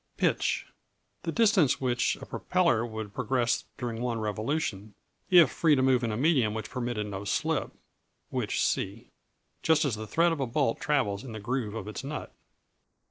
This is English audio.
Pitch The distance which a propeller would progress during one revolution, if free to move in a medium which permitted no slip (which see); just as the thread of a bolt travels in the groove of its nut.